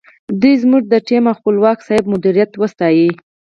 دوی زموږ د ټیم او خپلواک صاحب مدیریت وستایه.